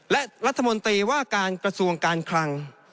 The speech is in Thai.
และรัฐมนตรีว่าการกระทรวงการคลัง